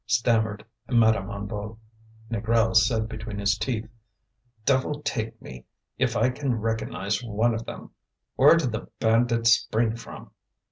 stammered Madame Hennebeau. Négrel said between his teeth: "Devil take me if I can recognize one of them! Where do the bandits spring from?"